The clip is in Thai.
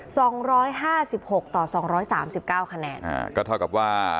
สองร้อยห้าสิบหกต่อสองร้อยสามสิบเก้าคะแนนอ่าก็เท่ากับว่า